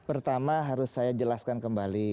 pertama harus saya jelaskan kembali